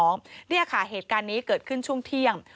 นี่ค่ะเหตุการณ์นี้เกิดขึ้นช่วงเที่ยง